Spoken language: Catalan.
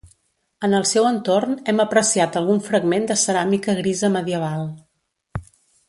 En el seu entorn hem apreciat algun fragment de ceràmica grisa medieval.